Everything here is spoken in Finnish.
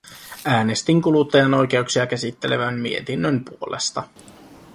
Äänestin kuluttajan oikeuksia käsittelevän mietinnön puolesta.